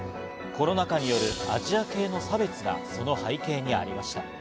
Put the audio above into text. コロナ禍によるアジア系の差別があり、その背景にありました。